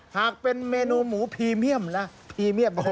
หากเป็นเมนูหมูพรีเมี่ยมนะพรีเมี่ยมด้วยนะครับ